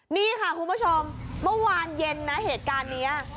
นี่ค่ะคุณผู้ชมเมื่อวานเย็นนะเหตุการณ์นี้